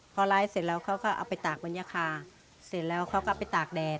พอไร้เสร็จแล้วเขาก็เอาไปตากบนยะคาเสร็จแล้วเขาก็ไปตากแดด